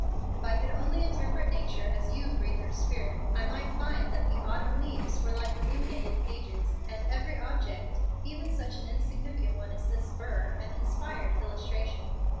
If I could only interpret Nature as you breathe her spirit I might find that the autumn leaves were like illuminated pages, and every object even such an insignificant one as this burr an inspired illustration.